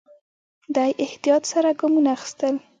دی احتیاط سره ګامونه اخيستل.